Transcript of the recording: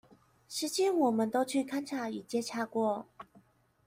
實際我們都去勘查與接洽過